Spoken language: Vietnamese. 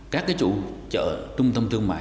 các chủ chợ trung tâm thương mại